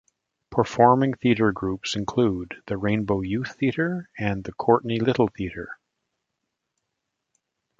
Performing theatre groups include the Rainbow Youth Theatre and the Courtenay Little Theatre.